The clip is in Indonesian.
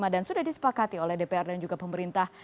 dan sudah disepakati oleh dpr dan juga pemerintah